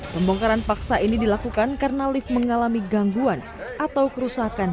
pembongkaran paksa ini dilakukan karena lift mengalami gangguan atau kerusakan